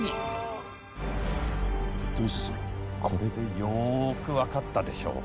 これでよーくわかったでしょう